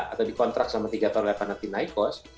atau dikontrak sama tiga toro lepa nanti naikos